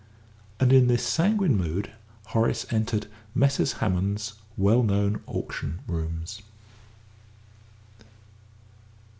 And in this sanguine mood Horace entered Messrs. Hammond's well known auction rooms.